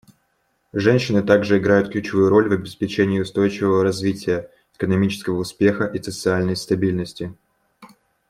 Женщины также играют ключевую роль в обеспечении устойчивого развития, экономического успеха и социальной стабильности.